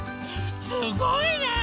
すごいね。